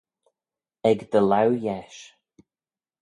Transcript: Ec dty laue yesh.